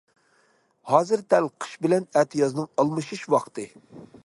ھازىر دەل قىش بىلەن ئەتىيازنىڭ ئالمىشىش ۋاقتى.